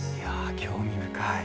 興味深い。